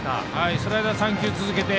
スライダー３球続けて。